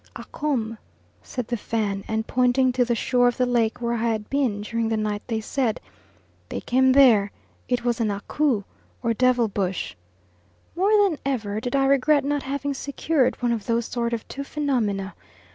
"Akom," said the Fan, and pointing to the shore of the lake where I had been during the night they said, "they came there, it was an 'Aku'" or devil bush. More than ever did I regret not having secured one of those sort of two phenomena.